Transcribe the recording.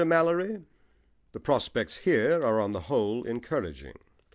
MALLORY The prospects here are on the whole encouraging.